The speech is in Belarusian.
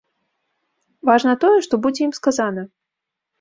Важна тое, што будзе ім сказана.